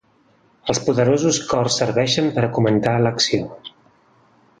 Els poderosos cors serveixen per a comentar l'acció.